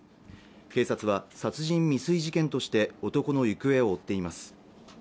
警察は殺人未遂事件として男の行方を追っています